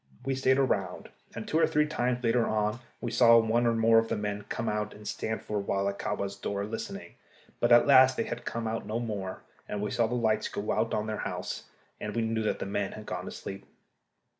We stayed around, and two or three times later on we saw one or more of the men come out and stand for awhile at Kahwa's door listening; but at last they came out no more, and we saw the lights go out in their house, and we knew that the men had gone to sleep.